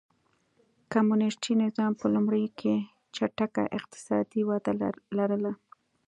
کمونېستي نظام په لومړیو کې چټکه اقتصادي وده لرله.